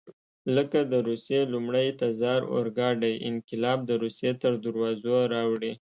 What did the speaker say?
لکه د روسیې لومړي تزار اورګاډی انقلاب د روسیې تر دروازو راوړي.